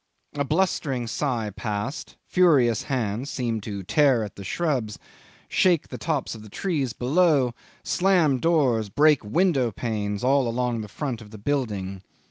A blustering sigh passed; furious hands seemed to tear at the shrubs, shake the tops of the trees below, slam doors, break window panes, all along the front of the building.